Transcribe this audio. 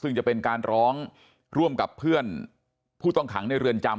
ซึ่งจะเป็นการร้องร่วมกับเพื่อนผู้ต้องขังในเรือนจำ